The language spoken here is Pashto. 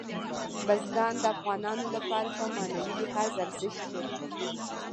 بزګان د افغانانو لپاره په معنوي لحاظ ارزښت لري.